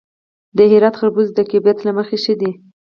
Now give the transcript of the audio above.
د هرات خربوزې د کیفیت له مخې ښې دي.